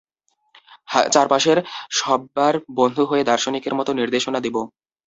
চারপাশের সবার বন্ধু হয়ে দার্শনিকের মতো নির্দেশনা দিবো।